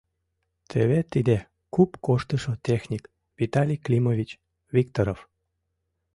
Теве тиде — куп коштышо техник Виталий Климович Викторов.